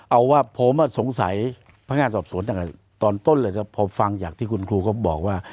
เอาว่าผมว่าสงสัยพระงานสอบสวนตอนต้นเลยพอฟังอยากที่คุณครูก็บอกว่า